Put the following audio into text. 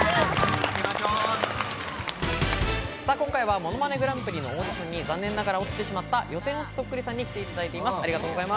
今回は『ものまねグランプリ』のオーディションに残念ながら落ちてしまった予選落ちそっくりさんに来ていただいています。